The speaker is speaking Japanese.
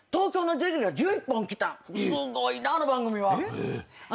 すごいなあの番組は。